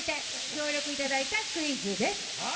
協力いただいたクイズです。